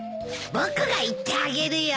僕が行ってあげるよ。